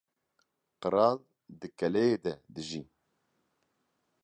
Qral di keleyê de dijî.